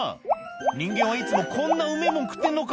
人間はいつもこんなうめぇもん食ってるのか。